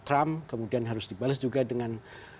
trump kemudian harus dibalas juga dengan